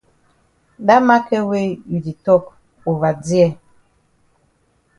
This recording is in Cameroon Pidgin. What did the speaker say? Dat maket wey you di tok ova dear.